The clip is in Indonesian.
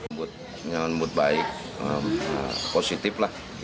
menyambut baik positif lah